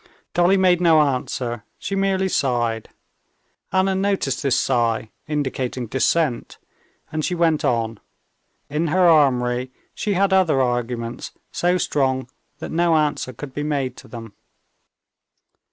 Dolly made no answer, she merely sighed. Anna noticed this sigh, indicating dissent, and she went on. In her armory she had other arguments so strong that no answer could be made to them.